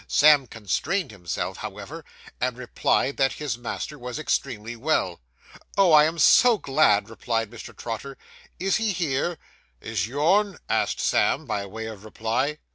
Sam constrained himself, however, and replied that his master was extremely well. 'Oh, I am so glad,' replied Mr. Trotter; 'is he here?' 'Is yourn?' asked Sam, by way of reply.